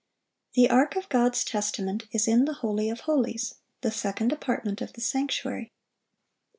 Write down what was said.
(716) The ark of God's testament is in the holy of holies, the second apartment of the sanctuary.